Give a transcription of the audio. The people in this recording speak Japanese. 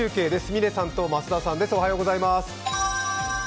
嶺さんと増田さんです。